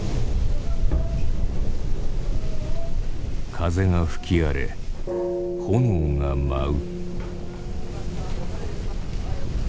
風が吹き荒れ炎が舞う。